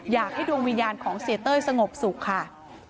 อยากให้ดวงวิญญาณของเสียเต้ยสงบสุขค่ะ